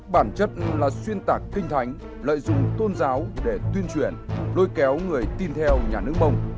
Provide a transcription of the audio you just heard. bản chất là xuyên tạc kinh thánh lợi dụng tôn giáo để tuyên truyền lôi kéo người tin theo nhà nước mông